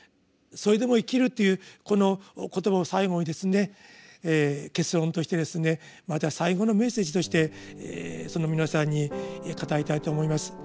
「それでも生きる」というこの言葉を最後に結論としてまた最後のメッセージとして皆さんに語りたいと思います。